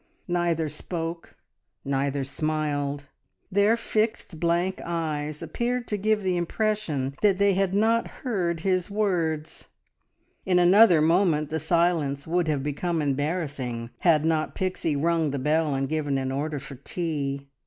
Neither spoke, neither smiled; their fixed, blank eyes appeared to give the impression that they had not heard his words. In another moment the silence would have become embarrassing had not Pixie rung the bell and given an order for tea.